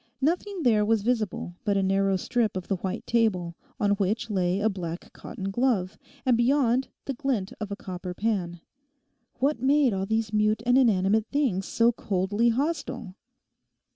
Nothing there was visible but a narrow strip of the white table, on which lay a black cotton glove, and beyond, the glint of a copper pan. What made all these mute and inanimate things so coldly hostile?